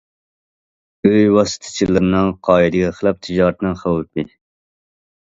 ئۆي ۋاسىتىچىلىرىنىڭ قائىدىگە خىلاپ تىجارىتىنىڭ خەۋپى.